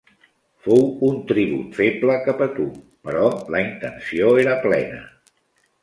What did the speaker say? Fou un tribut feble cap a tu, però la intenció era plena.